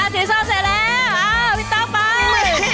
พี่ต๊อกมา